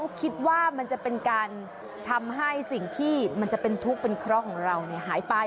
คิดว่ามันจะเป็นการทำให้สิ่งที่มันจะเป็นทุกข์เป็นเคราะห์ของเราหายไป